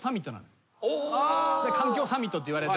環境サミットっていわれたの。